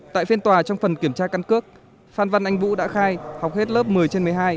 tại phiên tòa trong phần kiểm tra căn cước phan văn anh vũ đã khai học hết lớp một mươi trên một mươi hai